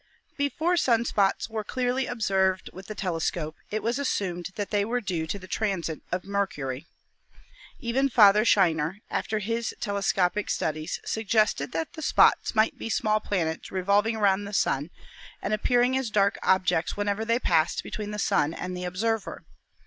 Before sun spots were clearly observed with the tele scope it was assumed that they were due to the transit of Mercury. Even Father Scheiner, after his telescopic stud ies, suggested that the spots might be small planets revolv ing around the Sun and appearing as dark objects when ever they passed between the Sun and the observer.